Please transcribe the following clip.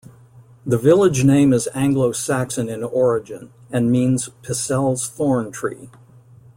The village name is Anglo Saxon in origin, and means 'Picel's thorn tree'.